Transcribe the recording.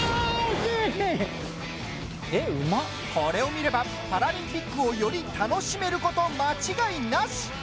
これを見ればパラリンピックをより楽しめること間違いなし。